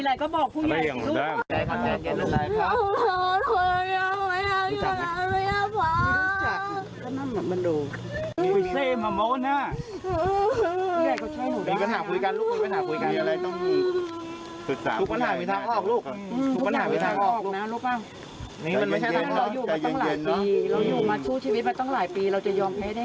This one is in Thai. อ้าย้าพ่อโทษนะครับไม่รู้สึกเป็นปมด้อย